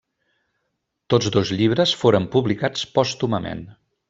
Tots dos llibres foren publicats pòstumament.